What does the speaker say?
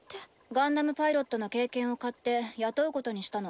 ガンダムパイロットの経験を買って雇うことにしたの。